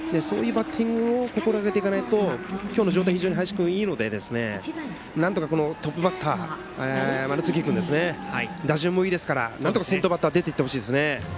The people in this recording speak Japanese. それを心がけていかないと今日の状態、林君非常にいいのでなんとか、トップバッター丸次君、打順もいいですからなんとか先頭バッター出ていってほしいですね。